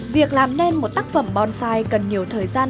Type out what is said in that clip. việc làm nên một tác phẩm bonsai cần nhiều thời gian